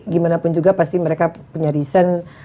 gimana pun juga pasti mereka punya reason